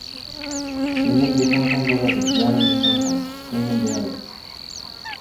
— Singlim desang ham bo‘ladi, jiyanim desang ham. Singlim deyaver.